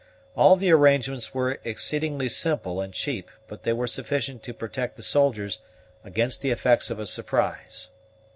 All the arrangements were exceedingly simple and cheap, but they were sufficient to protect the soldiers against the effects of a surprise.